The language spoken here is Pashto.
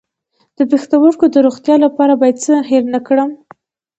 د پښتورګو د روغتیا لپاره باید څه مه هیروم؟